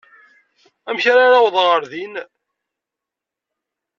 Amek ara awḍeɣ ɣer din?